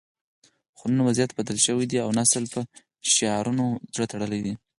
خو نن وضعیت بدل شوی دی او نسل په شعارونو زړه تړلی دی